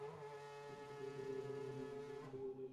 কিন্তু বিগত মেয়র নির্বাচনে সেই বিরোধ ঘুচিয়ে তাঁরা একযোগে কাজ করেন।